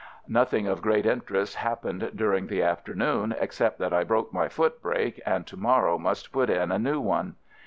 Nothing of great interest happened dur ing the afternoon, except that I broke my foot brake and to morrow must put in a new one.